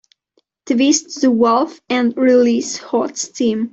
Twist the valve and release hot steam.